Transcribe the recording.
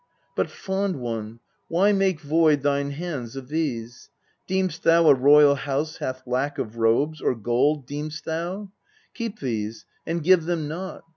But, fond one, why make void thine hands of these ? Deem'st thou a royal house hath lack of robes, Or gold, deem'st thou? Keep these and give them not.